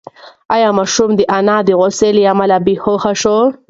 ایا ماشوم د انا د غوسې له امله بېهوښه شو؟